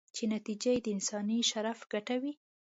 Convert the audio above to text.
چې نتیجه یې د انساني شرف ګټه وي.